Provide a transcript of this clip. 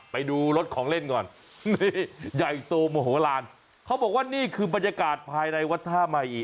ไปดูรถของเล่นก่อนนี่ใหญ่โตโมโหลานเขาบอกว่านี่คือบรรยากาศภายในวัดท่าใหม่อิ